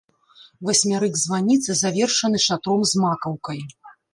Васьмярык званіцы завершаны шатром з макаўкай.